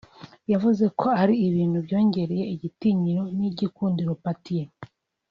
yavuze ko ari ibintu byongereye igitinyiro n’igikundiro Putin